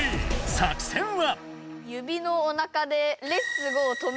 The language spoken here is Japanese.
作戦は？